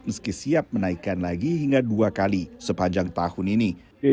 meski siap menaikkan lagi hingga dua kali sepanjang tahun ini